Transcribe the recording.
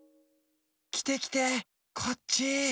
きてきてこっち。